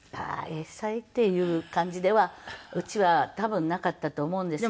英才っていう感じではうちは多分なかったと思うんですけれども。